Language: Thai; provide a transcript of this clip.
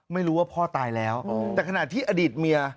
ไม่รู้ว่าพ่อตายแล้วแต่ขณะที่อดีตเมีย